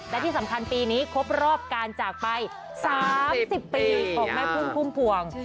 และที่สำคัญปีนี้ครบรอบการจากไป๓๐ปีของแม่พึ่งพุ่มพวง